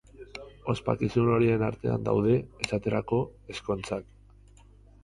Ospakizun horien artean daude, esaterako, ezkontzak.